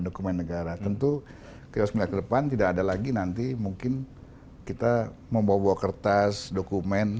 dokumen negara tentu kita harus melihat ke depan tidak ada lagi nanti mungkin kita membawa kertas dokumen